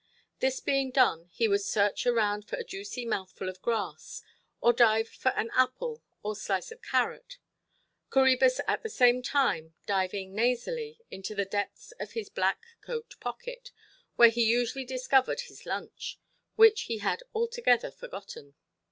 This being done, he would search around for a juicy mouthful of grass, or dive for an apple or slice of carrot—Coræbus at the same time diving nasally—into the depths of his black coat pocket, where he usually discovered his lunch, which he had altogether forgotten.